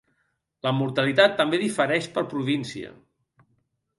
La mortalitat també difereix per província.